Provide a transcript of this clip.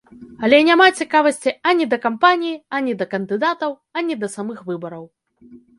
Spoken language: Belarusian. Але няма цікавасці ані да кампаніі, ані да кандыдатаў, ані да самых выбараў.